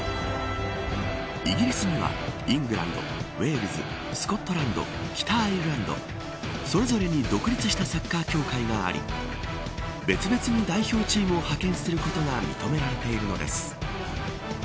イギリスにはイングランド、ウェールズスコットランド、北アイルランドそれぞれに独立したサッカー協会があり別々に代表チームを派遣することが認められているのです。